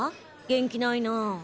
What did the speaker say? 元気ないなぁ。